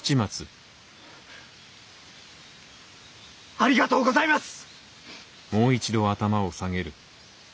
ありがとうございます！